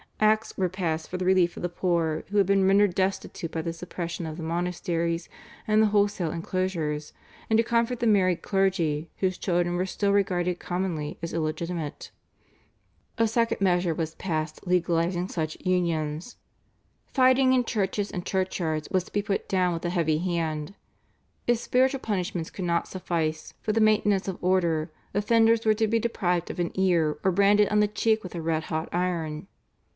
Acts were passed for the relief of the poor who had been rendered destitute by the suppression of the monasteries and the wholesale inclosures, and to comfort the married clergy, whose children were still regarded commonly as illegitimate, a second measure was passed legalising such unions. Fighting in churches and churchyards was to be put down with a heavy hand. If spiritual punishments could not suffice for the maintenance of order offenders were to be deprived of an ear or branded on the cheek with a red hot iron.